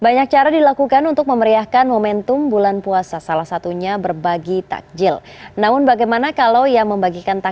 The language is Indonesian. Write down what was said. nari langkai kemuliaan bulan amat